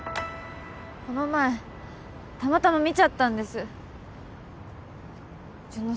この前たまたま見ちゃったんです潤